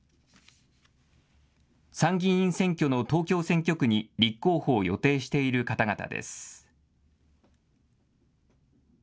参議院選挙の東京選挙区に立候補を予定している方々です。